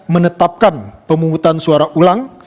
menetapkan pemungutan suara ulang